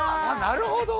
なるほど！